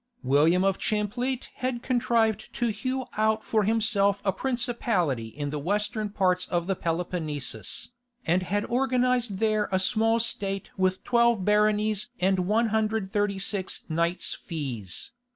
William of Champlitte had contrived to hew out for himself a principality in the western parts of the Peloponnesus, and had organized there a small state with twelve baronies and 136 knights fees.